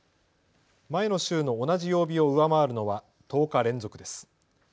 前の週の同じ曜日を上回るのは１０日連続です。